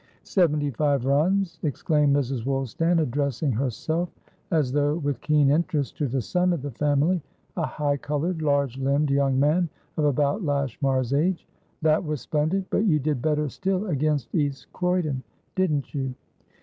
"Seventy five runs!" exclaimed Mrs. Woolstan, addressing herself as though with keen interest to the son of the family, a high coloured, large limbed young man of about Lashmar's age. "That was splendid! But you did better still against East Croydon, didn't you?"